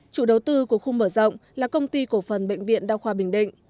chủ đầu tư của khu mở rộng là công ty cổ phần bệnh viện đa khoa bình định